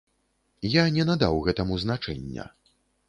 Я не надаў гэтаму значэння.